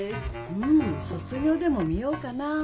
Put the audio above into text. ん『卒業』でも見ようかな。